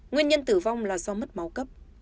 nguyên nhân tử vong là do mất máu cấp